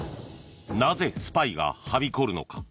なぜスパイが、はびこるのか。